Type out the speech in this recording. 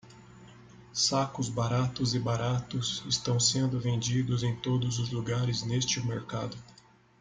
Sacos baratos e baratos estão sendo vendidos em todos os lugares neste mercado.